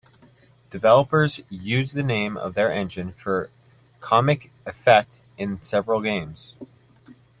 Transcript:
Developers used the name of their engine for comic effect in several games.